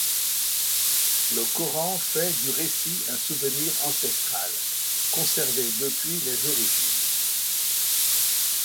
Le Coran fait du récit un souvenir ancestral conservé depuis les origines.